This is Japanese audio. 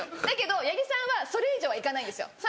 だけど八木さんはそれ以上は行かないんですよ。